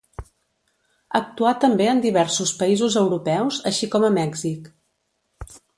Actuà també en diversos països europeus, així com a Mèxic.